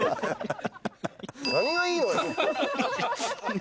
何がいいのよ。